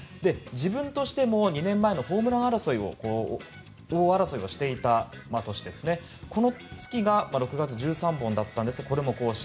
自分としても、２年前のホームラン王争いをしていた年のこの月が、６月１３本でしたがこれも更新。